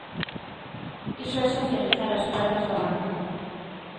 Iso é socializar as perdas da banca.